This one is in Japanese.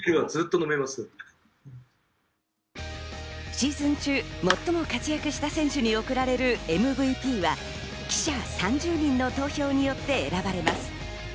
シーズン中、最も活躍した選手に贈られるＭＶＰは、記者３０人の投票によって選ばれます。